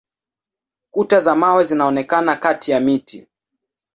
Kuta za mawe zinaonekana kati ya miti.